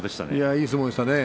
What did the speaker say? いい相撲でしたね